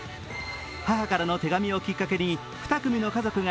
母からの手紙をきっかけに、２組の家族が